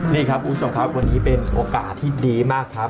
นี่ครับคุณผู้ชมครับวันนี้เป็นโอกาสที่ดีมากครับ